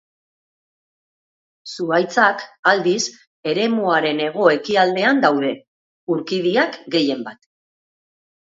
Zuhaitzak, aldiz, eremuaren hego-ekialdean daude; urkidiak, gehienbat.